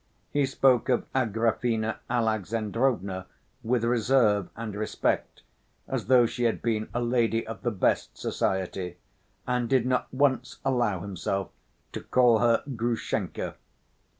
He spoke of Agrafena Alexandrovna with reserve and respect, as though she had been a lady of the best society, and did not once allow himself to call her Grushenka.